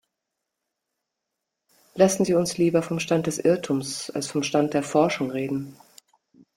Lassen Sie uns lieber vom Stand des Irrtums als vom Stand der Forschung reden.